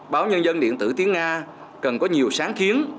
báo nhân dân điện tử tiếng nga cần có nhiều sáng kiến